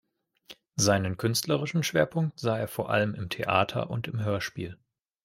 Seinen künstlerischen Schwerpunkt sah er vor allem im Theater und im Hörspiel.